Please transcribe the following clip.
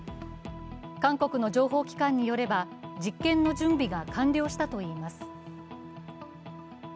韓国の情報機関によれば実験の準備が完了したといいます。